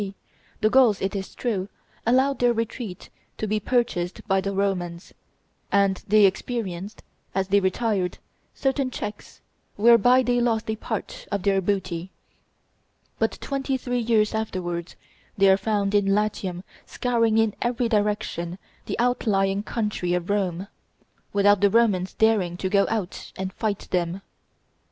C., the Gauls, it is true, allowed their retreat to be purchased by the Romans; and they experienced, as they retired, certain checks, whereby they lost a part of their booty. But twenty three years afterwards they are found in Latium scouring in every direction the outlying country of Rome, without the Romans daring to go out and fight them.